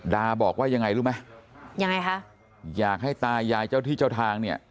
ดาบอกว่ายังไงรู้ไหมยังไงคะอยากให้ตายายเจ้าที่เจ้าทางเนี่ย